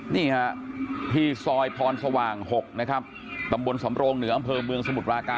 นี่ฮะที่ซอยพรสว่าง๖นะครับตำบลสำโรงเหนืออำเภอเมืองสมุทรปราการ